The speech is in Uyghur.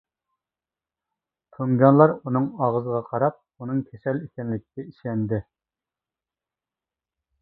تۇڭگانلار ئۇنىڭ ئاغزىغا قاراپ، ئۇنىڭ كېسەل ئىكەنلىكىگە ئىشەندى.